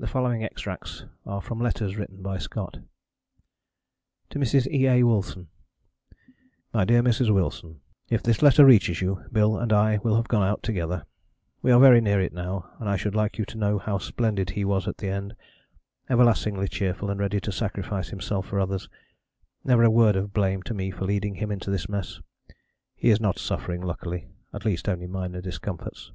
The following extracts are from letters written by Scott: To Mrs. E. A. Wilson MY DEAR MRS. WILSON. If this letter reaches you, Bill and I will have gone out together. We are very near it now and I should like you to know how splendid he was at the end everlastingly cheerful and ready to sacrifice himself for others, never a word of blame to me for leading him into this mess. He is not suffering, luckily, at least only minor discomforts.